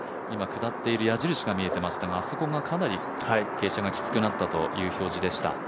今、下っている矢印が見えていましたが、あそこがかなり傾斜がきつくなったという表示でした。